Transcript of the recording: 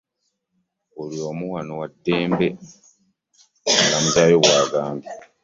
Buli omu wano wa ddemb, omulamuzi Ayo bw'agambye